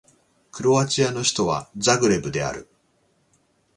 クロアチアの首都はザグレブである